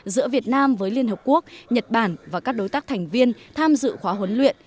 giữa việt nam với liên hợp quốc nhật bản và các đối tác thành viên tham dự khóa huấn luyện